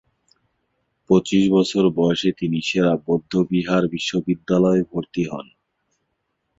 পঁচিশ বছর বয়সে তিনি সে-রা বৌদ্ধবিহার বিশ্ববিদ্যালয়ে ভর্তি হন।